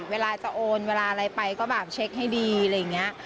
เวลาจะโอนเวลาอะไรไปก็แบบเช็คให้ดีอะไรอย่างนี้